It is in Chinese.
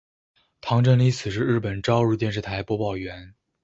堂真理子是日本朝日电视台播报员。